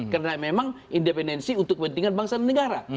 karena memang independensi untuk kepentingan bangsa dan negara